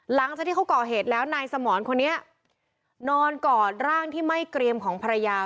หลังจากที่เขาก่อเหตุแล้วนายสมรคนนี้นอนกอดร่างที่ไม่เกรียมของภรรยา